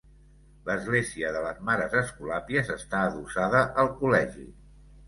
L'Església de les Mares Escolàpies està adossada al col·legi.